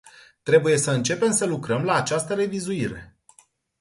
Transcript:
Trebuie să începem să lucrăm la această revizuire.